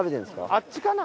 あっちかな。